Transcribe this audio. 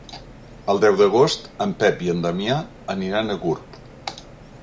El deu d'agost en Pep i en Damià aniran a Gurb.